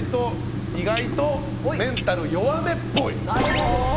意外とメンタル弱めっぽい。